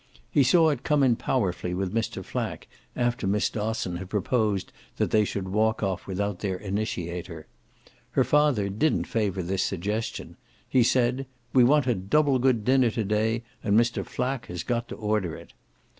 He saw it come in powerfully with Mr. Flack, after Miss Dosson had proposed they should walk off without their initiator. Her father didn't favour this suggestion; he said "We want a double good dinner to day and Mr. Flack has got to order it."